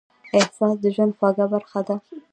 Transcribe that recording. احساس د ژوند خوږه برخه ده.